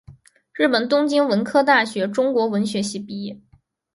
日本东京文科大学中国文学系毕业。